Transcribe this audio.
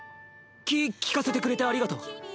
気利かせてくれてありがとう。